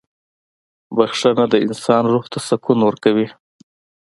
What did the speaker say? • بخښنه د انسان روح ته سکون ورکوي.